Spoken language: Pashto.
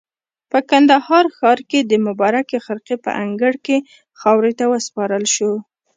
په کندهار ښار کې د مبارکې خرقې په انګړ کې خاورو ته وسپارل شو.